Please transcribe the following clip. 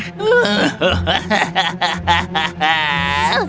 kau tidak akan mendapatkan kuncinya